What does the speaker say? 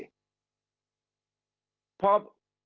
พอข่าวนี้ลงไปในโลกออนไลน์